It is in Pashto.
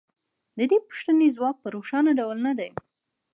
د دې پوښتنې ځواب په روښانه ډول نه دی